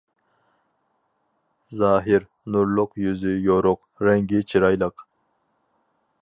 زاھىر : نۇرلۇق، يۈزى يورۇق، رەڭگى چىرايلىق.